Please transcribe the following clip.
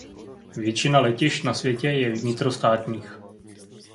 Většina letišť na světě je vnitrostátních.